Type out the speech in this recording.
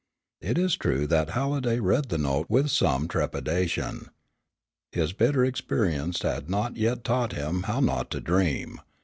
It is true that Halliday read the note with some trepidation. His bitter experience had not yet taught him how not to dream.